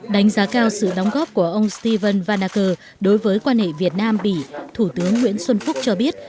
đánh giá cao sự đóng góp của ông steven vanaker đối với quan hệ việt nam bỉ thủ tướng nguyễn xuân phúc cho biết